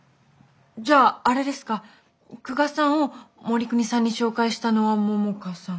じゃああれですか久我さんを護国さんに紹介したのは桃香さん。